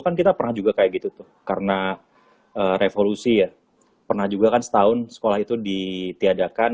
kan kita pernah juga kayak gitu tuh karena revolusi ya pernah juga kan setahun sekolah itu ditiadakan